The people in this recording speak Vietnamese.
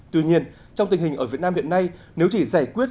tuy nhiên trong tình hình ở việt nam hiện nay nếu chỉ giải quyết